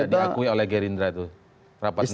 dan tidak diakui oleh gerindra itu rapat internal